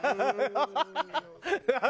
ハハハハ！